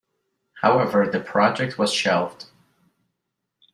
However the project was shelved.